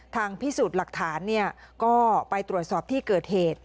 พิสูจน์หลักฐานก็ไปตรวจสอบที่เกิดเหตุ